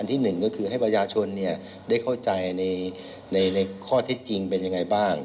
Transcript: ที่หนึ่งก็คือให้ประชาชนได้เข้าใจในข้อเท็จจริงเป็นยังไงบ้าง